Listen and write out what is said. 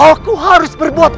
aku harus berbuat